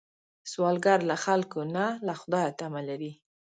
سوالګر له خلکو نه، له خدایه تمه لري